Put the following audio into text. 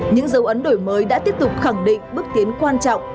những dấu ấn đổi mới đã tiếp tục khẳng định bước tiến quan trọng